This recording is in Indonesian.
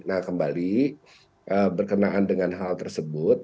nah kembali berkenaan dengan hal tersebut